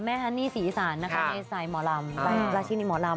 ฮันนี่ศรีอีสานนะคะในสายหมอลำราชินีหมอลำ